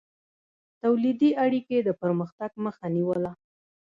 تولیدي اړیکې د پرمختګ مخه نیوله.